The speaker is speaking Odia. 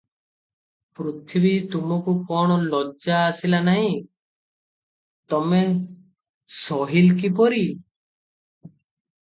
ପୃଥିବୀ ତମକୁ କଣ ଲଜ୍ଜା ଆସିଲା ନାହିଁ, ତମେ ସହିଲ କିପରି?